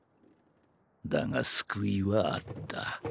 だが救いはあった。